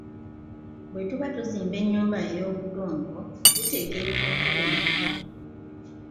Bwe tuba tuzimba enyumba ey'obudongo tuteeka ebifunfugu mu mmuli.